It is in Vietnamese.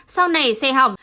sau này xe hỏng